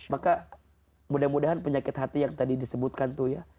maka mudah mudahan penyakit hati yang tadi disebutkan tuh ya